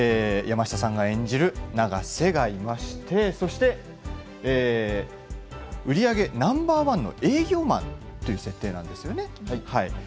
山下さんが演じる永瀬がいまして、そして売り上げナンバー１の営業マンという設定ですね